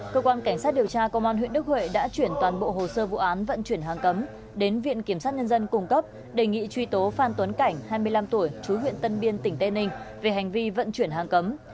cơ quan cảnh sát điều tra công an huyện đức huệ đã chuyển toàn bộ hồ sơ vụ án vận chuyển hàng cấm đến viện kiểm sát nhân dân cung cấp đề nghị truy tố phan tuấn cảnh hai mươi năm tuổi chú huyện tân biên tỉnh tây ninh về hành vi vận chuyển hàng cấm